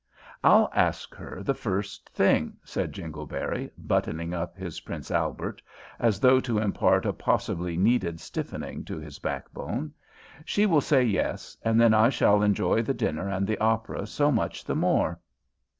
"I'll ask her the first thing," said Jingleberry, buttoning up his Prince Albert, as though to impart a possibly needed stiffening to his backbone. "She will say yes, and then I shall enjoy the dinner and the opera so much the more.